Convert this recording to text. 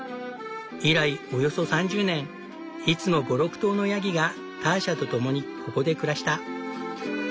以来およそ３０年いつも５６頭のヤギがターシャと共にここで暮らした。